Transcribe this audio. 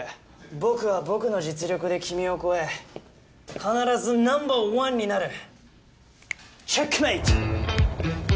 僕は僕の実力で君を超え必ずナンバー１になるチェックメイト！